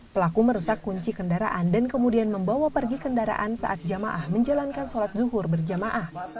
pelaku merusak kunci kendaraan dan kemudian membawa pergi kendaraan saat jamaah menjalankan sholat zuhur berjamaah